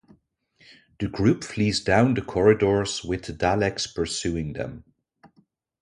The group flees down the corridors with the Daleks pursuing them.